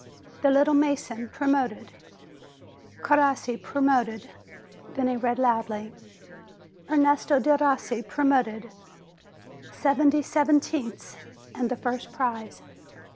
The "little mason" promoted; Crossi promoted. Then he read loudly: "Ernesto Derossi, promoted, seventy seventieths, and the first prize."